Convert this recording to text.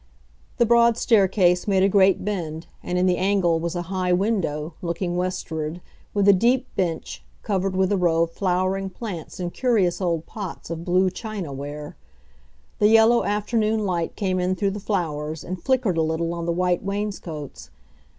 The broad staircase made a great bend, and in the angle was a high window, looking westward, with a deep bench, covered with a row of flowering plants in curious old pots of blue china ware. The yellow afternoon light came in through the flowers and flickered a little on the white wainscots.